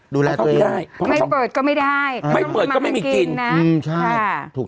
ดูแลตัวเองไม่เปิดก็ไม่ได้ไม่เปิดก็ไม่มีกินอืมใช่ถูก